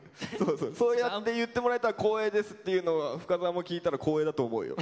「そうやって言ってもらえたら光栄です」っていうのを深澤も聞いたら光栄だと思うよ。